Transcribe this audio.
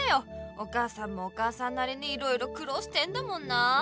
お母さんもお母さんなりにいろいろくろうしてんだもんな。